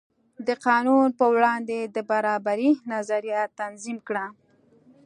د قانون په وړاندې د برابرۍ نظریه تنظیم کړه.